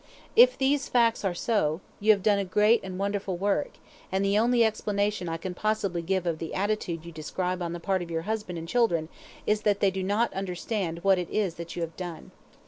If these facts are so, you have done a great and wonderful work, and the only explanation I can possibly give of the attitude you describe on the part of your husband and children is that they do not understand what it is that you have done.